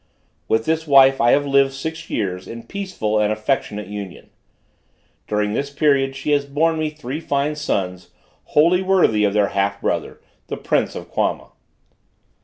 With this wife I have lived six years in peaceful and affectionate union. During this period she has borne me three fine sons, wholly worthy of their half brother, the prince of Quama.